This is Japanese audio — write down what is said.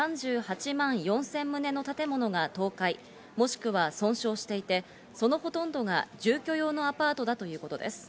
またトルコだけでも、およそ３４万４０００棟の建物が倒壊、もしくは損傷していて、そのほとんどが住居用のアパートだということです。